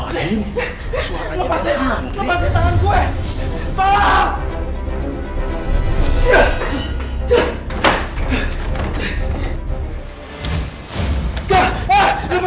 tentang zain angkat aslinya